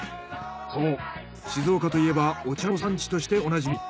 そう静岡といえばお茶の産地としておなじみ。